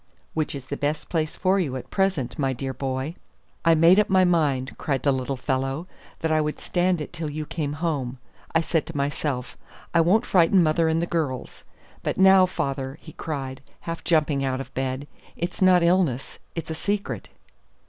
"Which is the best place for you at present, my dear boy." "I made up my mind," cried the little fellow, "that I would stand it till you came home. I said to myself, I won't frighten mother and the girls. But now, father," he cried, half jumping out of bed, "it's not illness: it's a secret."